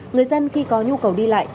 người dân khi có nhu cầu đi lại